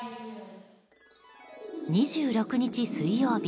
２６日水曜日